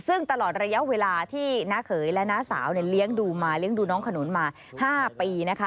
ซึ่งตลอดระยะเวลาที่นาเขยและนาสาวเลี้ยงดูน้องขนวลมา๕ปี